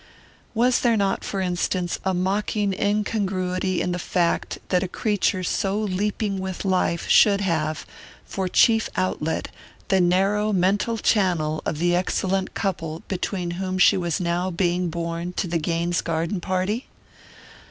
Was there not, for instance, a mocking incongruity in the fact that a creature so leaping with life should have, for chief outlet, the narrow mental channel of the excellent couple between whom she was now being borne to the Gaines garden party?